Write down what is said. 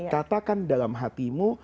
katakan dalam hatimu